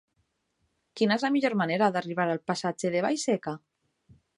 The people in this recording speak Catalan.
Quina és la millor manera d'arribar al passatge de Vallseca?